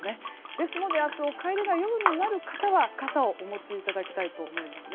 ですので、明日お帰りが夜になる方は傘をお持ちいただきたいと思いますね。